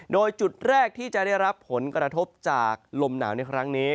โดยจุดแรกที่จะได้รับผลกระทบจากลมหนาวในครั้งนี้